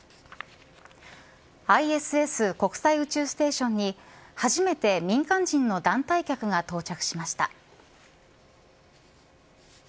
ＩＳＳ国際宇宙ステーションに初めて民間人の団体客が到着しました。